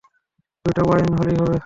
দুইটা ওয়াইন হলেই হবে।